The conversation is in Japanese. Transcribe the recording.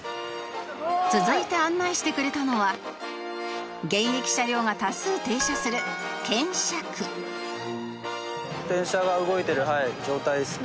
続いて案内してくれたのは現役車両が多数停車する検車区電車が動いてる状態ですね。